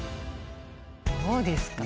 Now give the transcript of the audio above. どうですか？